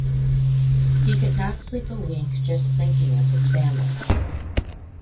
He could not sleep a wink just thinking of his family.